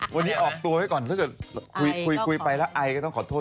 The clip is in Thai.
วันนี้ออกตัวไว้ก่อนถ้าเกิดคุยไปแล้วไอก็ต้องขอโทษ